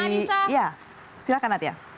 iya silahkan natya